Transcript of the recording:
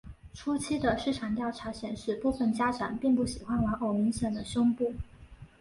初期的市场调查显示部份家长并不喜欢玩偶明显的胸部。